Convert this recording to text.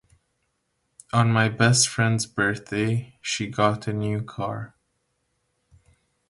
On my best friends birthday, she got a new car.